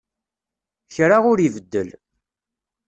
Kra ur ibeddel.